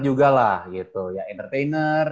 juga lah gitu ya entertainer